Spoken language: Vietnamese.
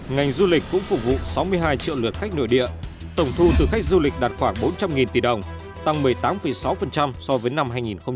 ngành du lịch cũng phục vụ sáu mươi hai triệu lượt khách nội địa tổng thu từ khách du lịch đạt khoảng bốn trăm linh tỷ đồng tăng một mươi tám sáu so với năm hai nghìn một mươi tám